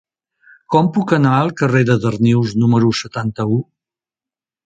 Com puc anar al carrer de Darnius número setanta-u?